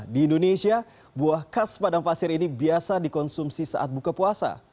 di indonesia buah khas padang pasir ini biasa dikonsumsi saat buka puasa